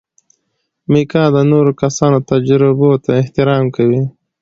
میکا د نورو کسانو تجربو ته احترام کوي.